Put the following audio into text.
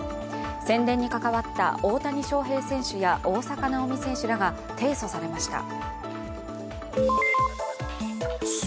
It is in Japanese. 宣伝に関わった大谷翔平選手や大坂なおみ選手らが提訴されました。